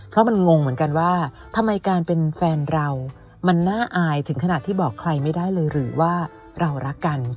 เพราะมันงงเหมือนกันว่าทำไมการเป็นแฟนเรามันน่าอายถึงขนาดที่บอกใครไม่ได้เลยหรือว่าเรารักกัน